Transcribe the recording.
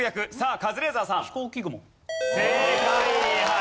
カズレーザーさん